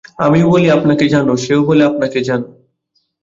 আমিও বলি আপনাকে জানো, সেও বলে আপনাকে জানো।